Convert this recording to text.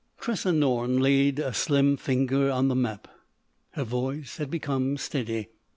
Tressa Norne laid a slim finger on the map. Her voice had become steady.